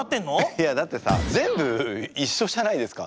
いやだってさ全部一緒じゃないですか。